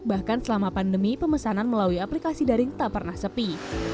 bahkan selama pandemi pemesanan melalui aplikasi daring tak pernah sepi